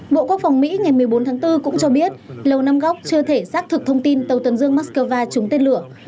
bộ quốc phòng mỹ ngày một mươi bốn tháng bốn cũng cho biết lầu năm góc chưa thể xác thực thông tin tàu tuần dương moscow trúng tên lửa